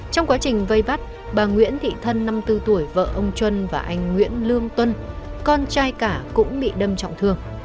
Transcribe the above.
trong quá trình vây bắt bà nguyễn thị thân năm mươi bốn tuổi vợ ông trân và anh nguyễn lương tuân con trai cả cũng bị đâm trọng thương